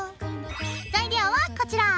材料はこちら。